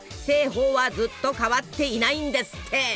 製法はずっと変わっていないんですって。